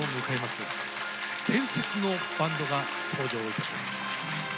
伝説のバンドが登場いたします。